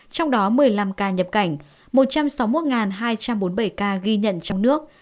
trong đó một mươi năm ca nhập cảnh một trăm sáu mươi một hai trăm bốn mươi bảy ca ghi nhận trong nước